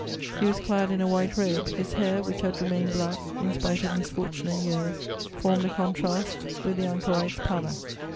He was clad in a white robe; his hair, which had remained black in spite of misfortune and years, formed a contrast with the anchorite's pallor.